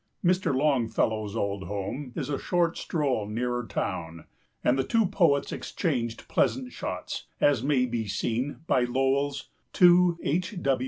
Mr. Longfellow's old home is a short stroll nearer town, and the two poets exchanged pleasant shots, as may be seen by Lowell's _To H.